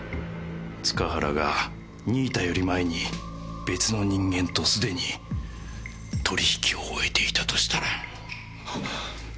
塚原が新井田より前に別の人間と既に取引を終えていたとしたら。